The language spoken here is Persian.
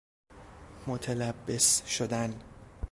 متلبس شدن